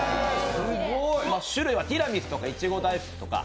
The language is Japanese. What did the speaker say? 種類はティラミスとかいちご大福とか。